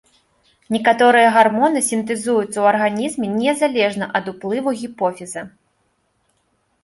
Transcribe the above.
Некаторыя гармоны сінтэзуюцца ў арганізме незалежна ад уплыву гіпофіза.